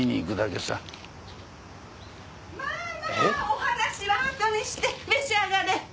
まぁまぁお話はあとにして召し上がれ！